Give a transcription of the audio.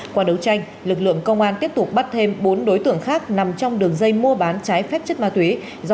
qua đấu tranh lực lượng công an tiếp tục bắt thêm bốn đối tượng khác nằm trong đường dây mua bán trái phép chất ma túy